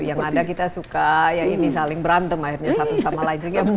yang ada kita suka saling berantem akhirnya satu sama lain